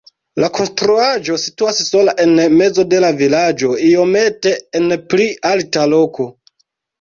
La konstruaĵo situas sola en mezo de la vilaĝo iomete en pli alta loko.